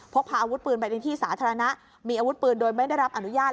พกพาอาวุธปืนไปในที่สาธารณะมีอาวุธปืนโดยไม่ได้รับอนุญาต